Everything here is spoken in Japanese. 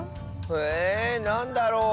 えなんだろう？